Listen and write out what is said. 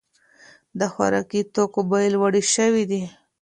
د خوراکي توکو بیې لوړې شوې دي.